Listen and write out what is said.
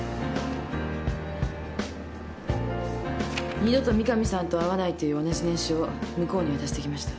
「二度と三神さんと会わない」という同じ念書を向こうに渡してきました。